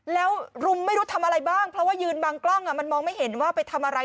แล้วรุมไม่รู้ทำอะไรบ้างเพราะว่ายืนบางกล้องมันมองไม่เห็นว่าไปทำอะไร